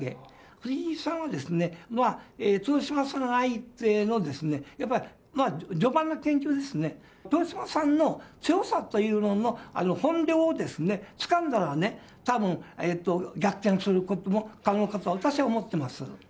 藤井さんはですね、豊島さん相手の、やっぱり序盤の研究ですね、豊島さんの強さというのの本領をつかんだらですね、たぶん、逆転することも可能かと、私は思っています。